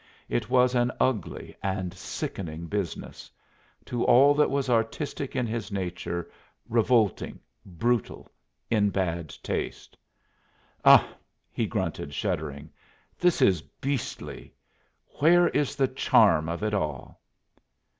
It was an ugly and sickening business: to all that was artistic in his nature, revolting, brutal, in bad taste. "Ugh!" he grunted, shuddering "this is beastly! Where is the charm of it all?